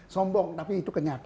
sombong tapi itu kenyataan